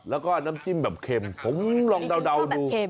แล้วก็น้ำจิ้มแบบเข็มผมลองเดาดู